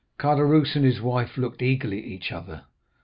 "Caderousse and his wife looked eagerly at each other.